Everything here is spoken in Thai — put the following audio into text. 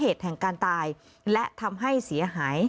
เหตุแห่งการตายและทำให้เสียหาย